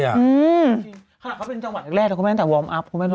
ถ้าเขาเป็นจังหวัดแรกเขาไม่ได้ตั้งแต่วอร์มอัพ